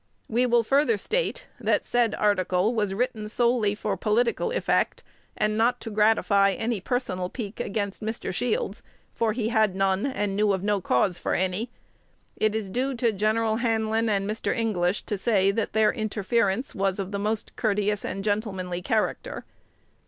We will further state, that said article was written solely for political effect, and not to gratify any personal pique against Mr. Shields, for he had none, and knew of no cause for any It is due to Gen. Hanlin and Mr. English to say that their interference was of the most courteous and gentlemanly character.